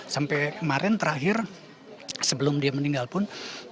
sampai kemarin terakhir sebelum dia meninggal pun